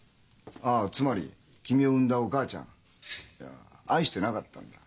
あつまり君を産んだお母ちゃん愛してなかったんだ。